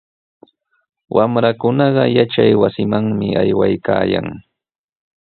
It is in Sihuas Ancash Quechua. Wamrakunaqa yachaywasimanmi aywaykaayan.